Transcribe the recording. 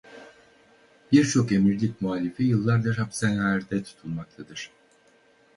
Birçok Emirlik muhalifi yıllardır hapishanelerde tutulmaktadır.